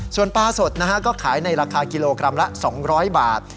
ส่วนปลาสดนะฮะก็ขายในราคากิโลกรัมละ๒๐๐บาท